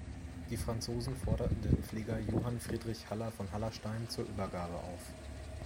Die Franzosen forderten den Pfleger Johann Friedrich Haller von Hallerstein zur Übergabe auf.